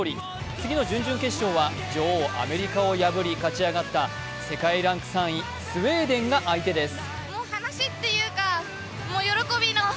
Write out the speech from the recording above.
次の準々決勝は女王・アメリカを破り勝ち上がった世界ランク３位スウェーデンが相手です。